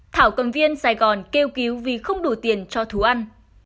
thảo cầm viên sài gòn kêu cứu vì không đủ tiền cho thú ăn